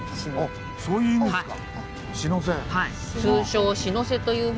あっそういう意味ですか。